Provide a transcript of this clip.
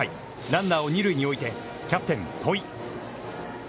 ランナーを二塁に置いてキャプテン戸井。